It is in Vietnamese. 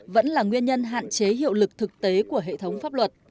vẫn là nguyên nhân hạn chế hiệu lực thực tế của hệ thống pháp luật